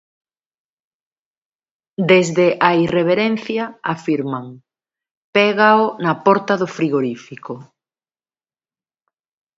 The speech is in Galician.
Desde a irreverencia, afirman: Pégao na porta do frigorífico.